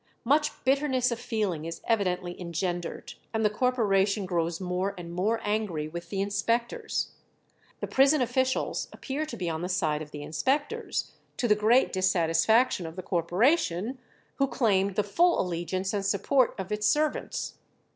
Much bitterness of feeling is evidently engendered, and the corporation grows more and more angry with the inspectors. The prison officials appear to be on the side of the inspectors, to the great dissatisfaction of the corporation, who claimed the full allegiance and support of its servants.